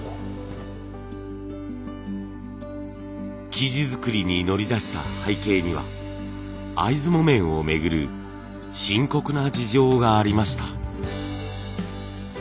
生地作りに乗り出した背景には会津木綿をめぐる深刻な事情がありました。